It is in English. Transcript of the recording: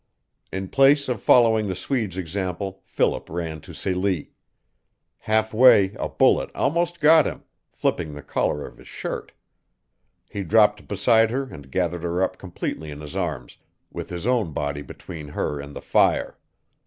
In place of following the Swede's example Philip ran to Celie. Half way a bullet almost got him, flipping the collar of his shirt. He dropped beside her and gathered her up completely in his arms, with his own body between her and the fire.